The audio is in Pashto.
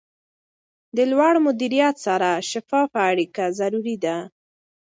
د لوړ مدیریت سره شفافه اړیکه ضروري ده.